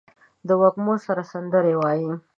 د وږمو سره سندرې وايي